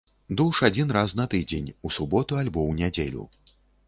Душ адзін раз на тыдзень, у суботу, альбо ў нядзелю.